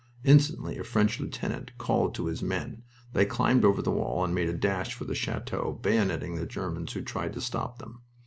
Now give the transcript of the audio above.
Instantly a French lieutenant called to his men. They climbed over the wall and made a dash for the chateau, bayoneting the Germans who tried to stop them.